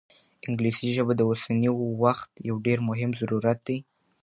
انګلیسي ژبه د اوسني وخت یو ډېر مهم ضرورت دی.